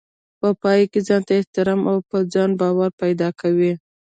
په پايله کې ځانته احترام او په ځان باور پيدا کوي.